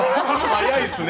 早いですね。